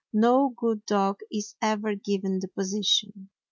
No good dog is ever given the position.